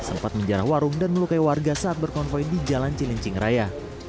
sempat menjarah warung dan melukai warga saat berkonvoy di jalan cilincing raya